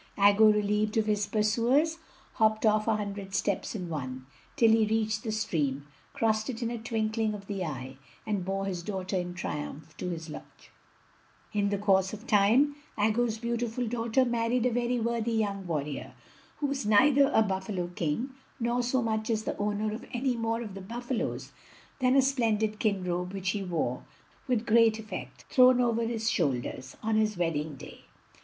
Aggo, relieved of his pursuers, hopped off a hundred steps in one, till he reached the stream, crossed it in a twinkling of the eye, and bore his daughter in triumph to his lodge. In the course of time Aggo's beautiful daughter married a very worthy young warrior, who was neither a buffalo king nor so much as the owner of any more of the buffalos than a splendid skin robe which he wore, with great effect, thrown over his shoulders, on his wedding day.